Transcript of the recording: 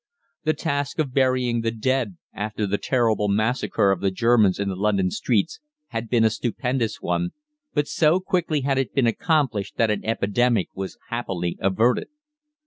The task of burying the dead after the terrible massacre of the Germans in the London streets had been a stupendous one, but so quickly had it been accomplished that an epidemic was happily averted.